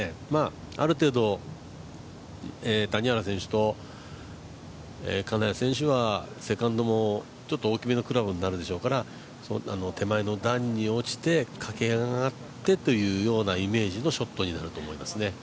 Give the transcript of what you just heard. ある程度谷原選手と金谷選手はセカンドもちょっと大きめのクラブになるでしょうから手前の段に落ちて駆け上がってというようなイメージのショットになると思いますね。